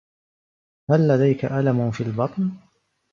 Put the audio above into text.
هل لديك ألم في البطن؟